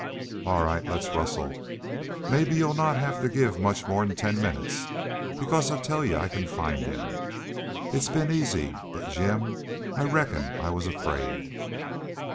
"All right. Let's rustle. Mebbe y'u'll not have to give much more 'n ten minnits. Because I tell y'u I can find him. It'd been easy but, Jim, I reckon I was afraid."